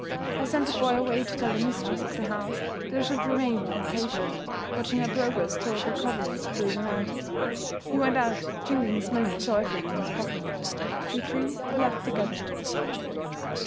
I sent the boy away to tell the mistress of the house that I should remain with my patient, watching her progress toward recovery, through the night. He went out, jingling his money joyfully in his pocket. We three were left together.